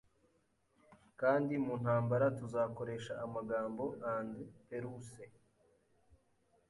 Kandi mu ntambara tuzakoresha amagambo & peruse